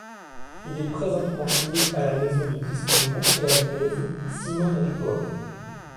Il est présentement signé à la maison de disque montréalaise Simone Records.